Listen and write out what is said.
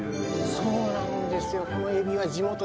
そうなんですよ。